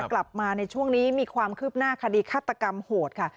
กลับมาในช่วงนี้มีความคืบหน้าคดีฆาตกรรมโหดค่ะ